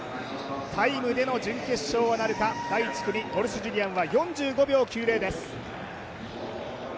タイムでの準決勝はなるか第１組ウォルシュ・ジュリアンは４５秒９０です。